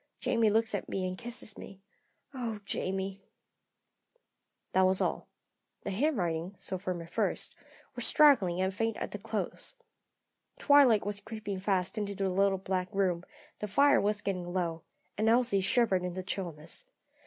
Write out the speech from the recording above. Jamie looks at me and kisses me. Oh, Jamie!" That was all. The handwriting, so firm at first, was straggling and faint at the close. Twilight was creeping fast into the little back room; the fire was getting low, and Elsie shivered in the chillness.